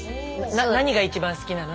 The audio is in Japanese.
何が一番好きなの？